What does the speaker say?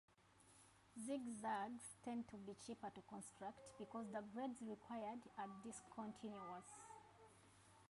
Zig zags tend to be cheaper to construct because the grades required are discontinuous.